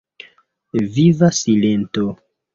Viva silento.